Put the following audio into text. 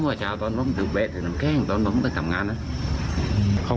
ไปเอาปืนของพี่ดานกลับ